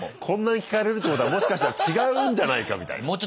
こんなに聞かれるってことはもしかしたら違うんじゃないかみたいな。